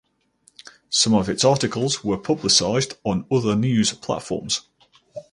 Some of its articles were publicized on other news platforms.